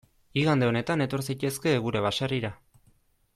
Igande honetan etor zaitezke gure baserrira.